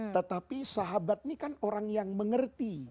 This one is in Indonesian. tetapi sahabat ini kan orang yang mengerti